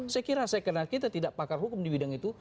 saya kira saya kenal kita tidak pakar hukum di bidang itu